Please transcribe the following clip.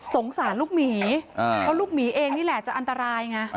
สารลูกหมีเพราะลูกหมีเองนี่แหละจะอันตรายไง